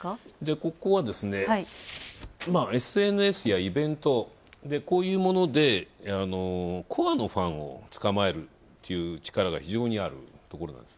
ここはですね、ＳＮＳやイベント、こういうものでコアなファンを捕まえるという力が非常にあるということなんです。